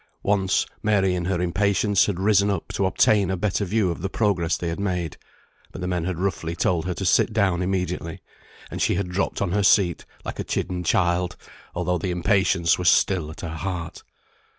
Once Mary in her impatience had risen up to obtain a better view of the progress they had made, but the men had roughly told her to sit down immediately, and she had dropped on her seat like a chidden child, although the impatience was still at her heart.